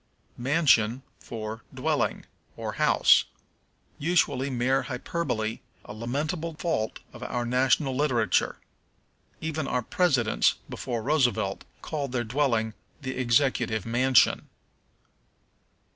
Mansion for Dwelling, or House. Usually mere hyperbole, a lamentable fault of our national literature. Even our presidents, before Roosevelt, called their dwelling the Executive Mansion.